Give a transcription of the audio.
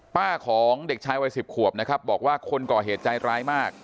ของเด็กชายวัย๑๐ขวบนะครับบอกว่าคนก่อเหตุใจร้ายมาก